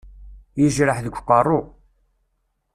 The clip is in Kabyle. Yejreḥ deg uqerru.